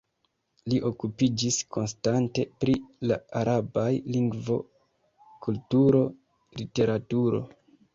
Li okupiĝis konstante pri la arabaj lingvo, kulturo, literaturo.